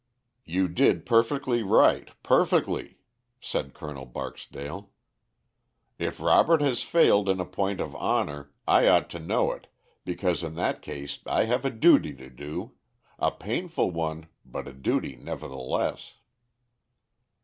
"You did perfectly right, perfectly," said Colonel Barksdale. "If Robert has failed in a point of honor, I ought to know it, because in that case I have a duty to do a painful one, but a duty nevertheless."